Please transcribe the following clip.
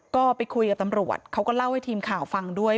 ก็ไปคุยกับตำรวจเขาก็เล่าให้ทีมข่าวฟังด้วย